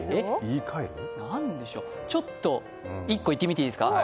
ちょっと１個言ってみていいですか？